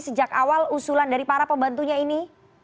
sejak awal usulan dari para pembantunya ini